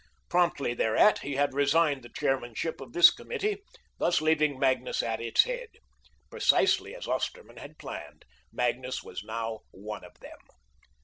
Promptly thereat he had resigned the chairmanship of this committee, thus leaving Magnus at its head. Precisely as Osterman had planned, Magnus was now one of them.